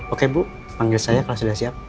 oke bu panggil saya kalau sudah siap